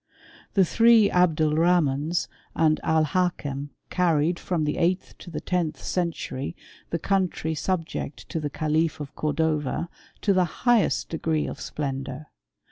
The three Abdalrahmans and Alhakem carried, from the eighth to the tenth century, the country subject to the Calif of Cordova to the highest degree of splendour.